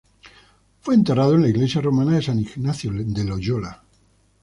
Fue enterrado en la iglesia romana de San Ignacio de Loyola.